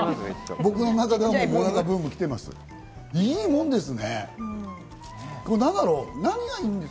僕の中で、もなかブーム来てます。